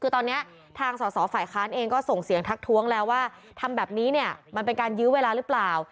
คือตอนนี้ทางสอสอฝ่ายค้านเองก็ส่งเสียงทักท้วงแล้วว่าทำแบบนี้เนี่ยมันเป็นการยื้อเวลาหรือเปล่า